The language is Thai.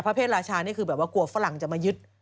เพศราชานี่คือแบบว่ากลัวฝรั่งจะมายึด